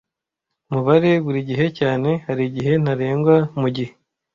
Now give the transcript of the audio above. Mubare burigihe cyane, harigihe ntarengwa mugihe.